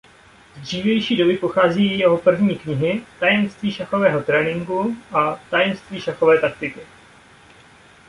Z dřívější doby pocházejí jeho první knihy "Tajemství šachového tréninku" a "Tajemství šachové taktiky".